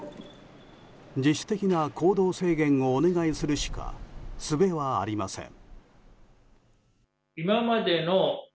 自主的な行動制限をお願いするしかすべはありません。